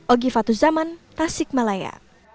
ogi fatu zaman tasikmalaya